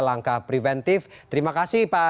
langkah preventif terima kasih pak